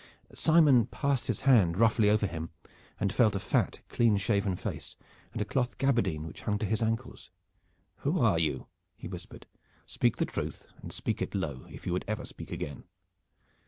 Simon passed his hand roughly over him and felt a fat clean shaven face, and a cloth gabardine which hung to the ankles. "Who are you?" he whispered. "Speak the truth and speak it low, if you would ever speak again."